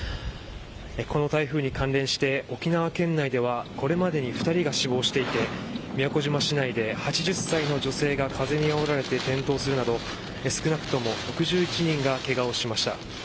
この台風に関連して沖縄県内ではこれまでに２人が死亡していて宮古島市内で、８０歳の女性が風にあおられて転倒するなど少なくとも６１人がケガをしました。